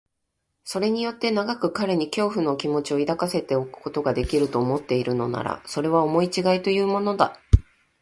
それによって長く彼に恐怖の気持を抱かせておくことができる、と思っているのなら、それは思いちがいというものだ。